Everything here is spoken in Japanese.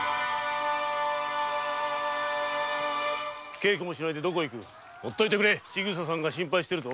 稽古もしないでどこへ行くほっといてくれ千草さんも心配してるぞ。